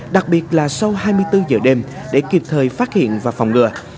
đặc biệt là sau hai mươi bốn giờ đêm để kịp thời phát hiện và phòng ngừa